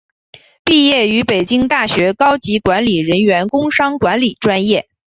毕业于北京大学高级管理人员工商管理专业。